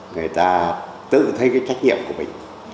người ta tự thấy cái trách nhiệm của mình